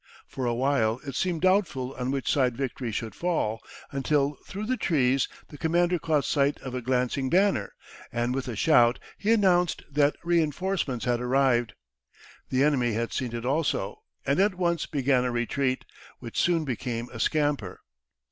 For a while it seemed doubtful on which side victory should fall, until through the trees the commander caught sight of a glancing banner, and with a shout he announced that reinforcements had arrived. The enemy had seen it also, and at once began a retreat, which soon became a scamper.